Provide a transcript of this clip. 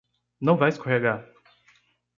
Não vai escorregar